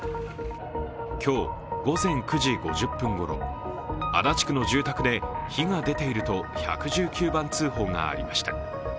今日午前９時５０分ごろ、足立区の住宅で火が出ていると１１９番通報がありました。